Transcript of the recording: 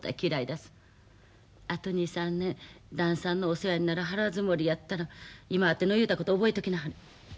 あと２３年旦さんのお世話になる腹積もりやったら今あての言うたこと覚えときなはれ。